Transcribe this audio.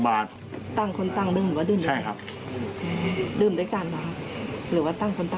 ไม่ไม่เคยนอน